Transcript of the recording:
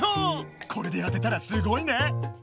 これで当てたらすごいね！